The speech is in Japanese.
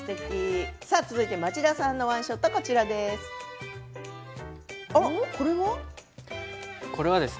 続いて町田さんのワンショットです。